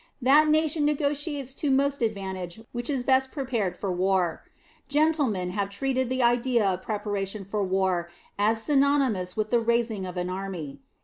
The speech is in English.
That nation negotiates to most advantage which is best prepared for war. Gentlemen have treated the idea of preparation for war as synonymous with the raising of an army.